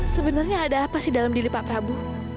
sebenarnya ada apa sih dalam diri pak prabu